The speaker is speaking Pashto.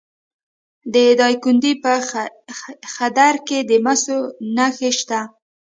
د دایکنډي په خدیر کې د مسو نښې شته.